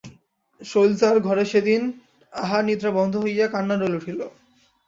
শৈলজার ঘরে সেদিন আহারনিদ্রা বন্ধ হইয়া কান্নার রোল উঠিল।